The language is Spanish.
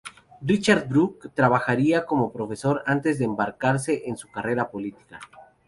Richard Burke trabajaría como profesor antes de embarcarse en su carrera política.